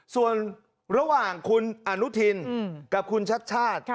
ส่วนระหว่างคุณอนุทินกับคุณชัดชาติ